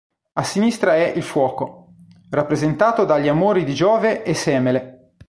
A sinistra è il "Fuoco", rappresentato dagli "Amori di Giove e Semele".